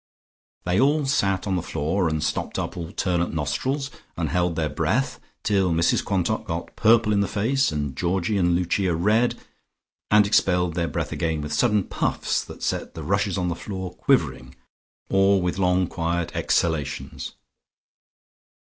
They all sat on the floor, and stopped up alternate nostrils, and held their breath till Mrs Quantock got purple in the face, and Georgie and Lucia red, and expelled their breath again with sudden puffs that set the rushes on the floor quivering, or with long quiet exhalations.